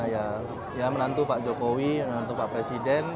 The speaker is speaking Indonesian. ya menantu pak jokowi menantu pak presiden